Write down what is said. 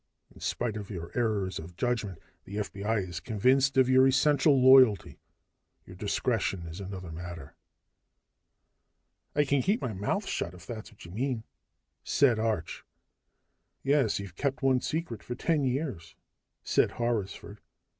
In spite of your errors of judgment, the FBI is convinced of your essential loyalty. Your discretion is another matter." "I can keep my mouth shut, if that's what you mean," said Arch. "Yes. You kept one secret for ten years," said Horrisford.